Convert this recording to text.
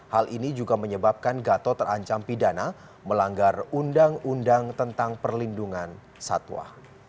hal ini juga menyebabkan gatot terancam pidana melanggar undang undang tentang perlindungan satwa